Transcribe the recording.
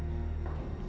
tentang apa yang terjadi